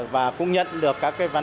và cũng nhận được các văn bản